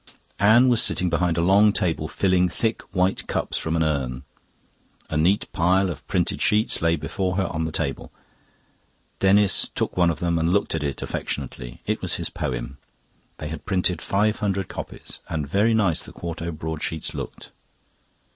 Anne was sitting behind a long table filling thick white cups from an urn. A neat pile of printed sheets lay before her on the table. Denis took one of them and looked at it affectionately. It was his poem. They had printed five hundred copies, and very nice the quarto broadsheets looked.